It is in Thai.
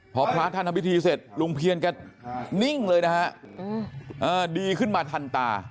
พอพระท่านทำพิธีเสร็จลุงเพียนแกนิ่งเลยนะฮะดีขึ้นมาทันตา